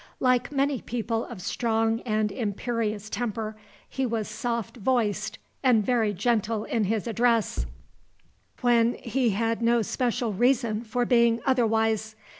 Like many people of strong and imperious temper, he was soft voiced and very gentle in his address, when he had no special reason for being otherwise.